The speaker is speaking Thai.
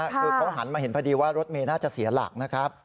คือเขาหันมาเห็นพอดีว่ารถเมย์น่าจะเสียหลักนะครับ